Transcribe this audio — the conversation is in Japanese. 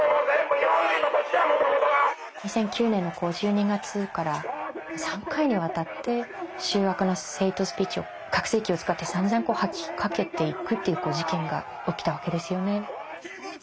２００９年の１２月から３回にわたって醜悪なヘイトスピーチを拡声機を使ってさんざん吐きかけていくっていう事件が起きたわけですよね。